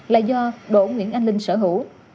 là do bộ nguyễn anh linh sở hữu